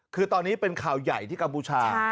คือตอนนี้เป็นข่าวใหญ่ที่กัมพูชา